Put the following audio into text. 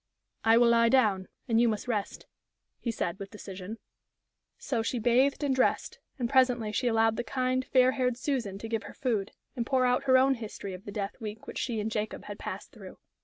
"I will lie down, and you must rest," he said, with decision. So she bathed and dressed, and presently she allowed the kind, fair haired Susan to give her food, and pour out her own history of the death week which she and Jacob had passed through.